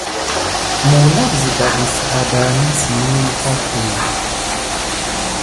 Mulak zǝga mǝs ahdahnasǝm ǝn pakǝ.